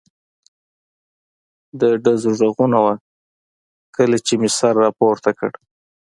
د ډزو غږونه و، کله چې مې سر را پورته کړ.